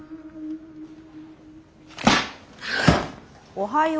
おはよう。